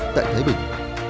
tại thái bình